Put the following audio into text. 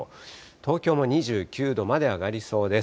東京も２９度まで上がりそうです。